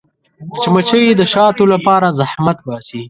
مچمچۍ د شاتو لپاره زحمت باسي